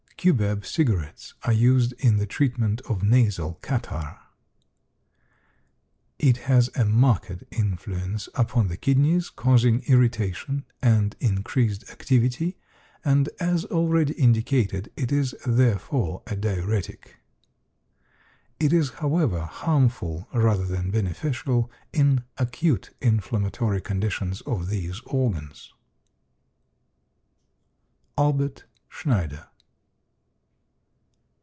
Cubeb cigarettes are used in the treatment of nasal catarrh. It has a marked influence upon the kidneys, causing irritation and increased activity, and as already indicated it is therefore a diuretic. It is, however, harmful, rather than beneficial, in acute inflammatory conditions of these organs. Albert Schneider.